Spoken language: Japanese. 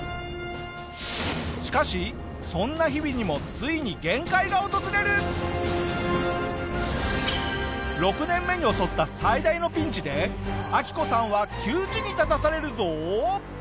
しかしそんな日々にも６年目に襲った最大のピンチでアキコさんは窮地に立たされるぞ！